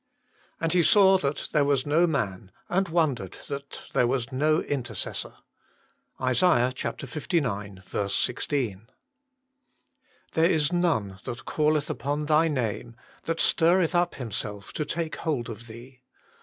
"And He saw that there was no man, and wondered that there was no intercessor." ISA. lix. 16. " There is none that calleth upon Thy name, that stirreth np himself to take hold of Thee."